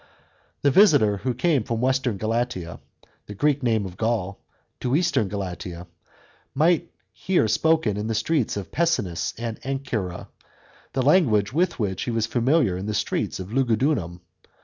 The visitor who came from western Galatia (the Greek name of Gaul) to eastern Galatia might hear spoken in the streets of Pessinus and Ancyra the language with which he was familiar in the streets of Lugudunum.